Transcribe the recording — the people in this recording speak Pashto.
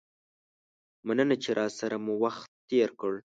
مننه چې راسره مو وخت تیر کړ.